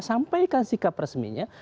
sampaikan sikap resminya